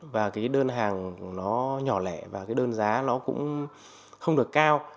và đơn hàng nhỏ lẻ và đơn giá cũng không được cao